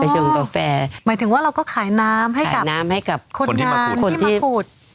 หมายถึงว่าเราก็ขายน้ำให้กับคนที่มาขุด